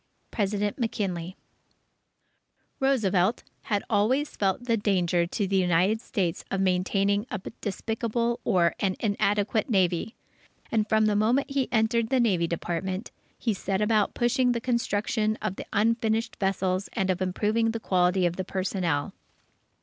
_ President MCKINLEY Roosevelt had always felt the danger to the United States of maintaining a despicable or an inadequate Navy, and from the moment he entered the Navy Department, he set about pushing the construction of the unfinished vessels and of improving the quality of the personnel.